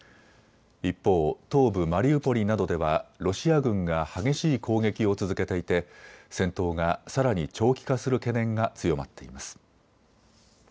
一方、東部マリウポリなどではロシア軍が激しい攻撃を続けていて戦闘がさらに長期化する懸念が強まっています。